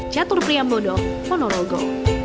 jatuh priyam bodoh monorogo